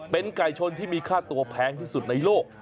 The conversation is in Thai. เป็นไก่ชนที่มีค่าตัวแพงที่สุดในโลก